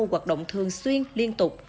hoạt động thường xuyên liên tục